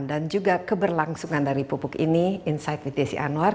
dan juga keberlangsungan dari pupuk ini inside with desi anwar